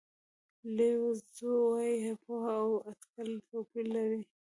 لیو زو وایي پوهه او اټکل توپیر لري.